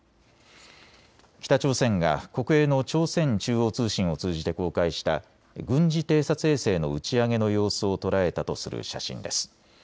北朝鮮が国営の朝鮮中央通信を通じて公開した軍事偵察衛星の打ち上げの様子を捉えたとする写真です。